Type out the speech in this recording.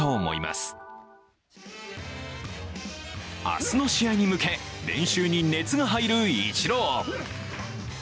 明日の試合に向け、練習に熱が入るイチロー。